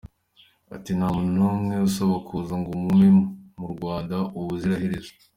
Ati “Nta muntu n’umwe ubasaba kuza ngo mugume mu Rwanda ubuziraherezo.